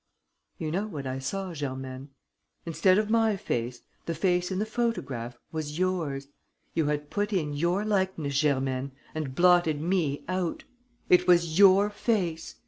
You know what I saw, Germaine. Instead of my face, the face in the photograph was yours!... You had put in your likeness, Germaine, and blotted me out! It was your face!